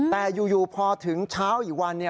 แต่อยู่พอถึงเช้าอีกวัน